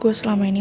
gue selama ini